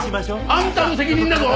あんたの責任だぞ！